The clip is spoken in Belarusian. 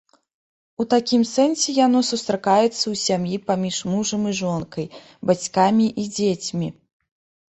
У такім сэнсе яно сустракаецца ў сям'і паміж мужам і жонкай, бацькамі і дзецьмі.